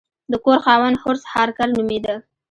د کور خاوند هورس هارکر نومیده.